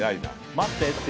待ってって。